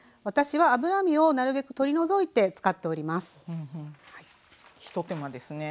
私は脂身をなるべく取り除いて使っております。